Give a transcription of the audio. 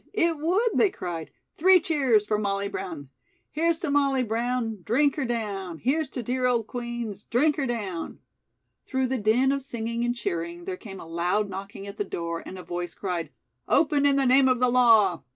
It would!" they cried. "Three cheers for Molly Brown!" "'Here's to Molly Brown, drink her down! Here's to dear old Queen's, drink her down.'" Through the din of singing and cheering, there came a loud knocking at the door and a voice cried: "Open in the name of the law!"